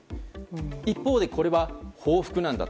一方でこれは報復なんだ。